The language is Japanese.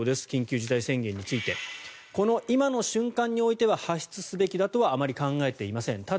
緊急事態宣言についてこの今の瞬間においては発出すべきだとはあまり考えていません。